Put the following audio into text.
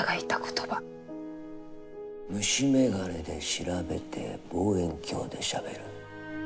虫眼鏡で調べて望遠鏡でしゃべる。